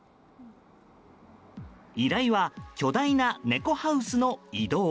依頼は、巨大な猫ハウスの移動。